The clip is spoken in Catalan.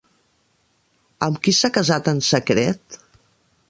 Amb qui s'ha casat en secret?